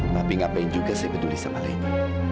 tapi ngapain juga saya peduli sama leni